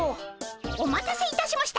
お待たせいたしました。